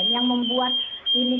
yang membuat ini